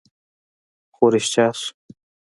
خو رښتيا شو